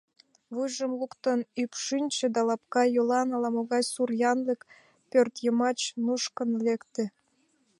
Вуйжым луктын ӱпшынчӧ да лапка йолан ала могай сур янлык пӧртйымач нушкын лекте.